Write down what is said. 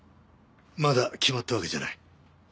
まだ決まったわけじゃない。